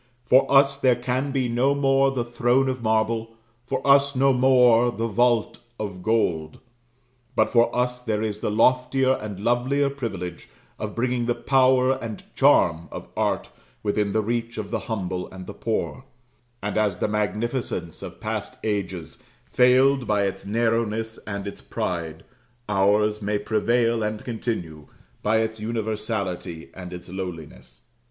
For us there can be no more the throne of marble for us no more the vault of gold but for us there is the loftier and lovelier privilege of bringing the power and charm of art within the reach of the humble and the poor; and as the magnificence of past ages failed by its narrowness and its pride, ours may prevail and continue, by its universality and its lowliness.